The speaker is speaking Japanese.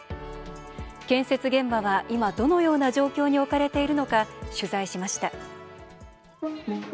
建設現場は、今どのような状況に置かれているのか取材しました。